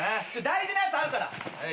大事なやつあるから！